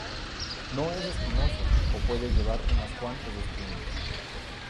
No es espinoso o puede llevar unas cuantas espinas.